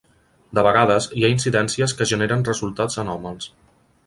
De vegades hi ha incidències que generen resultats anòmals.